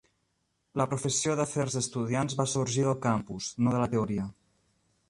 La professió d'afers d'estudiants va "sorgir del campus, no de la teoria".